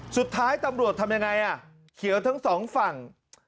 สุดท้ายตำรวจทำยังไงอ่ะเขียวทั้งสองฝั่ง